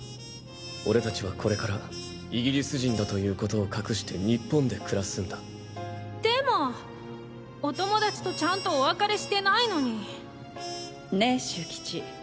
俺達はこれからイギリス人だという事を隠して日本で暮らすんだでもォお友達とちゃんとお別れしてないのにねェ秀。